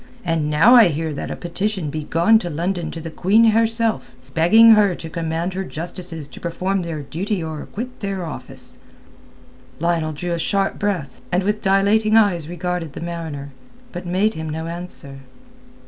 And now I hear that a petition be gone to London to the Queen herself, begging her to command her Justices to perform their duty or quit their office." Lionel drew a sharp breath, and with dilating eyes regarded the mariner, but made him no answer.